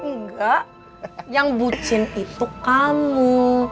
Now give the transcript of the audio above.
enggak yang bucin itu kamu